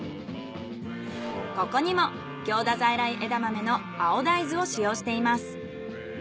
ここにも行田在来枝豆の青大豆を使用しています。